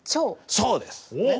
そうです！